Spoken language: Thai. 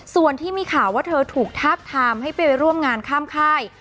ส่วนที่มีข่าวว่าเธอถูกทาบทามให้ไปร่วมงานข้ามค่าย